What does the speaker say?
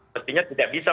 mestinya tidak bisa